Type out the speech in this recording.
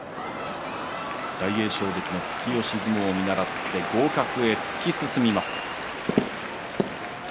大栄翔関の突き押し相撲を見習って合格へ突き進みます！